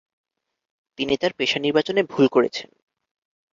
তিনি তার পেশা নির্বাচনে ভুল করেছেন।